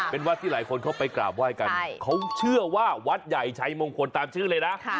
เป็นวัดที่หลายคนเข้าไปกราบไหว้กันเขาเชื่อว่าวัดใหญ่ชัยมงคลตามชื่อเลยนะ